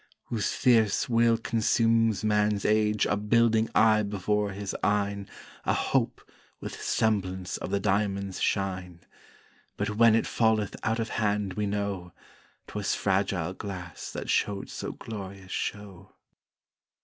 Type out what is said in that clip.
whose fierce will consumes Man's age upbuilding aye before his eyne A Hope with semblance of the diamond's shine: But, when it falleth out of hand we know, 'Twas fragile glass that showed so glorious show.